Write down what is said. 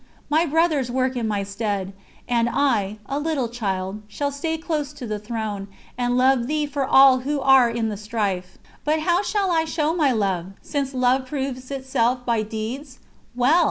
My brothers work in my stead, and I, a little child, stay close to the throne, and love Thee for all who are in the strife. But how shall I show my love, since love proves itself by deeds? Well!